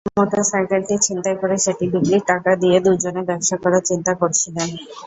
মোটরসাইকেলটি ছিনতাই করে সেটি বিক্রির টাকা দিয়ে দুজনে ব্যবসা করার চিন্তা করছিলেন।